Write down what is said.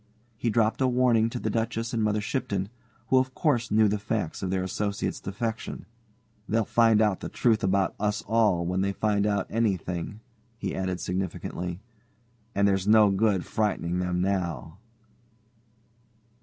He dropped a warning to the Duchess and Mother Shipton, who of course knew the facts of their associate's defection. "They'll find out the truth about us all when they find out anything," he added, significantly, "and there's no good frightening them now."